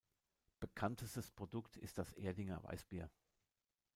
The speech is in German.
Bekanntestes Produkt ist das "Erdinger Weißbier".